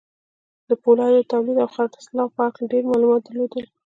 د پولادو د توليد او خرڅلاو په هکله ډېر معلومات درلودل.